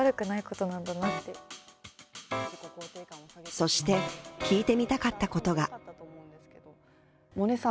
そして聞いてみたかったことが萌音さん